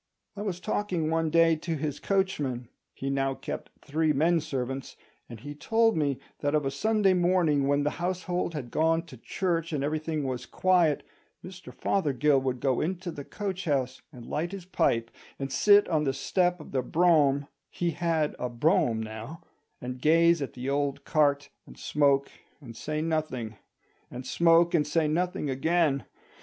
I was talking one day to his coachman (he now kept three men servants), and he told me that of a Sunday morning when the household had gone to church and everything was quiet, Mr Fothergill would go into the coach house and light his pipe, and sit on the step of the brougham (he had a brougham now), and gaze at the old cart, and smoke and say nothing; and smoke and say nothing again.